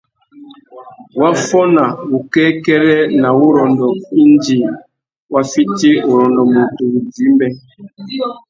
Wa fôna wukêkêrê na wurrôndô indi wa fiti urrôndô MUTU wudjï-mbê.